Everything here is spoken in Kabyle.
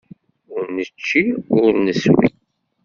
Ur nečči, ur neswi.